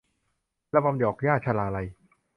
ระบำดอกหญ้า - ชลาลัย